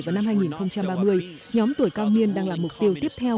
vào năm hai nghìn ba mươi nhóm tuổi cao niên đang là mục tiêu tiếp theo